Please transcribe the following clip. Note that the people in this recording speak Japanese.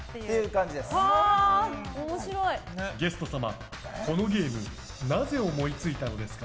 ゲスト様、このゲームなぜ思いついたのですか？